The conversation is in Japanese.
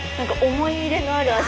思い入れのある味。